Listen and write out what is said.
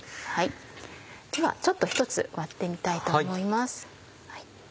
ではちょっと１つ割ってみたいと思います。